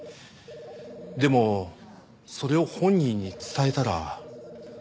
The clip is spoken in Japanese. でもそれを本人に伝えたら。